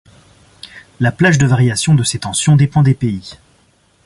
La plage de variation de ces tensions dépend des pays.